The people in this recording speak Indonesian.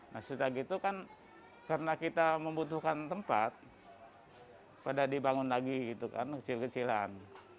nah setelah gitu kan karena kita membutuhkan tempat pada dibangun lagi gitu kan kecil kecilan